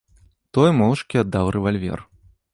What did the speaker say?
Той моўчкі аддаў рэвальвер.